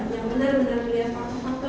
yang benar benar melihat fakta fakta